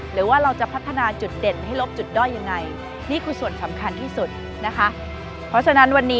หรือว่าเราจะพัฒนาจุดเด่นให้ลบจุดด้อยยังไงนี่คือส่วนสำคัญที่สุดนะคะ